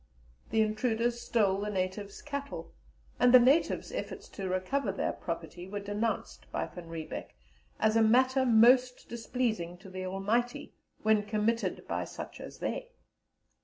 The intruders stole the natives' cattle, and the natives' efforts to recover their property were denounced by Van Riebeck as "a matter most displeasing to the Almighty, when committed by such as they."